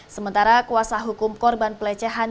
sementara kuasa hukum korban pelecehan